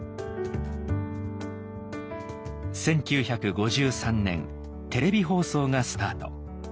１９５３年テレビ放送がスタート。